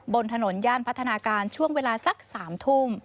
บนถนนย่านพัฒนาการช่วงเวลาสัก๓ทุ่ม